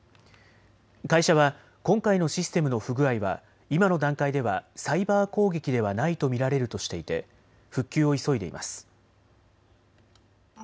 会社は今回のシステムの不具合は今の段階ではサイバー攻撃ではないと見られるとしていて復旧を急いでいます。